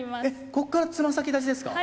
ここから爪先立ちですか？